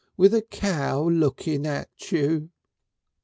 With a cow a looking at you."